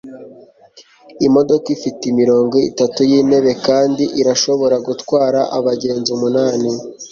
imodoka ifite imirongo itatu yintebe kandi irashobora gutwara abagenzi umunani